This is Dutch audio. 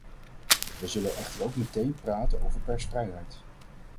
We zullen echter ook moeten praten over persvrijheid.